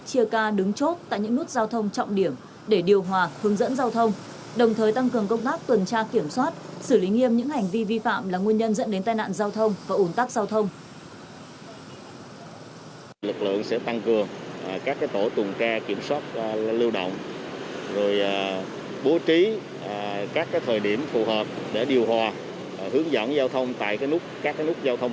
chia ca đứng chốt tại những nút giao thông trọng điểm để điều hòa hướng dẫn giao thông đồng thời tăng cường công tác tuần tra kiểm soát xử lý nghiêm những hành vi vi phạm là nguyên nhân dẫn đến tai nạn giao thông và ủn tắc giao thông